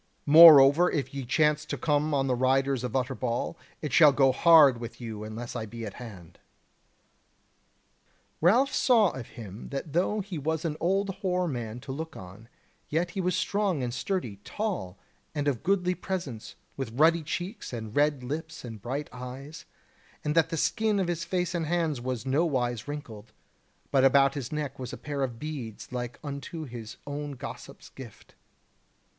Moreover if ye chance to come on the riders of Utterbol, it shall go hard with you unless I be at hand." Ralph saw of him that though he was an old hoar man to look on, yet he was strong and sturdy, tall, and of goodly presence, with ruddy cheeks, and red lips and bright eyes, and that the skin of his face and hands was nowise wrinkled: but about his neck was a pair of beads like unto his own gossip's gift.